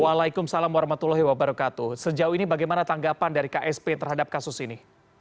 waalaikumsalam warahmatullahi wabarakatuh sejauh ini bagaimana tanggapan dari ksp terhadap kasus ini